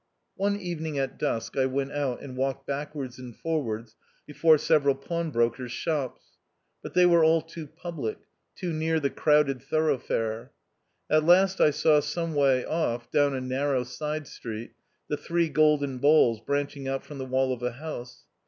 One evening at dusk I went out and walked backwards and forwards before several pawnbrokers' shops ; but they were all too public — too near the crowded thoroughfare. At last I saw some way off, down a narrow side street, the three golden balls branching out from the wall of a house.